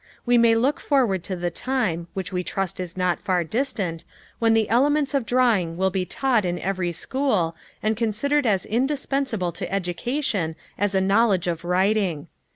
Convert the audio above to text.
We may look forward to the time, which we trust is not far distant, when the elements of drawing will be taught in every school, and considered as indispensable to education as a knowledge of writing.